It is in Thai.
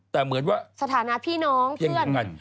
แต่เหมือนพี่น้องเพื่อน